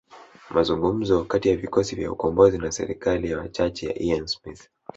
Mazungumzo kati ya vikosi vya ukombozi na serikali ya wachache ya Ian Smith